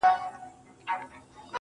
ته خيالوره، لکه مرغۍ د هوا,